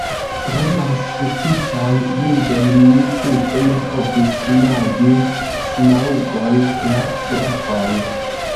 Pro malsufiĉaj bildoj mi tute ne povis imagi Smaŭgon, la drakon.